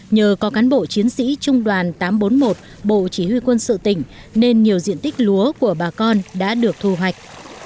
nhờ có cán bộ chiến sĩ trung đoàn tám trăm bốn mươi một bộ chỉ huy quân sự tỉnh nên nhiều diện tích lúa của bà con đã được thu hoạch